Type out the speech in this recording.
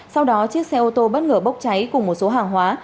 sau đó chiếc xe ô tô bất ngờ bốc cháy cùng một số hàng hóa